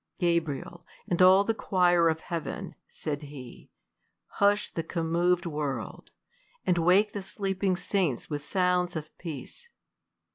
Gabriel, and all the choir Of heaven, said he, hush the commoved world, And wake the sleeping saints with sounds of peace.